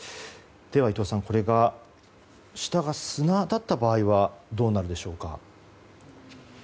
では伊藤さん、これが下が砂だった場合はどうなるでしょうか。